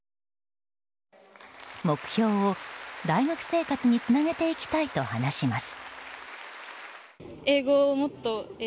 目標を大学生活につなげていきたいと話します。